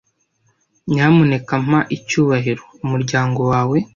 Nyamuneka mpa icyubahiro umuryango wawe.